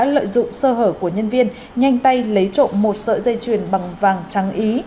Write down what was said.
lợi dụng sơ hở của nhân viên nhanh tay lấy trộm một sợi dây chuyền bằng vàng trắng ý